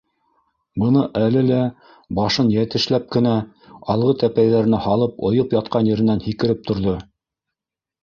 Бына әле лә башын йәтешләп кенә алғы тәпәйҙәренә һалып ойоп ятҡан еренән һикереп торҙо.